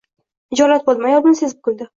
Xijolat bo‘ldim, ayol buni sezib kuldi.